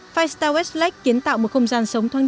five star westlake kiến tạo một không gian sống thuộc